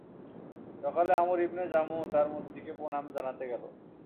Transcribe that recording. সকালে Amr ibn Jamuh তার মূর্তিকে প্রণাম জানাতে গেল।